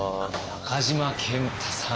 中島健太さん。